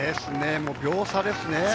秒差ですね。